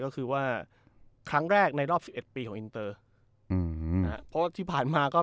ก็คือว่าครั้งแรกในรอบสิบเอ็ดปีของอินเตอร์อืมนะฮะเพราะว่าที่ผ่านมาก็